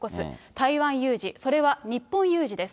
台湾有事、それは日本有事です。